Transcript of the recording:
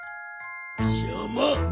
じゃま！